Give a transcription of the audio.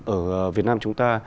ở việt nam chúng ta